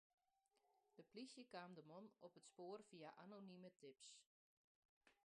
De plysje kaam de man op it spoar fia anonime tips.